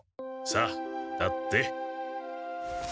さあ立って。